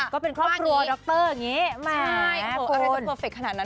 ก็เป็นครอบครัวดรอย่างนี้ไม่อะไรจะเพอร์เฟคขนาดนั้น